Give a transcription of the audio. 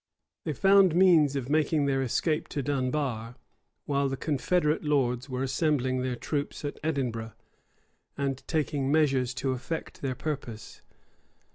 They found means of making their escape to Dunbar; while the confederate lords were assembling their troops at Edinburgh, and taking measures to effect their purpose.